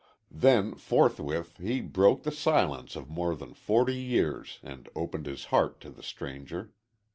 Then, forthwith, he broke the silence of more than forty years and opened his heart to the stranger.